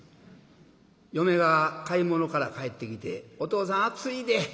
嫁が買い物から帰ってきて「おとうさん暑いで。